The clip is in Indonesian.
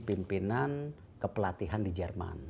pimpinan kepelatihan di jerman